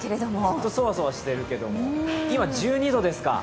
ずっとそわそわしていますけど、今、１２度ですか。